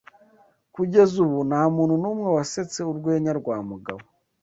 Kugeza ubu, nta muntu numwe wasetse urwenya rwa Mugabo.